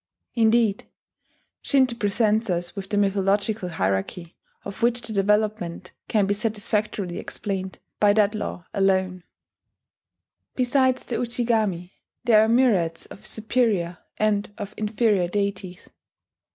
Indeed, Shinto presents us with a mythological hierarchy of which the development can be satisfactorily explained by that law alone. Besides the Ujigami, there are myriads of superior and of inferior deities.